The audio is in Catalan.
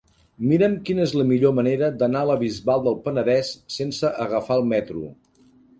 Mira'm quina és la millor manera d'anar a la Bisbal del Penedès sense agafar el metro.